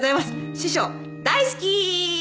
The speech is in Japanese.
「師匠大好きー！」